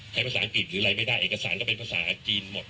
ภาษาอังกฤษหรืออะไรไม่ได้เอกสารก็เป็นภาษาจีนหมด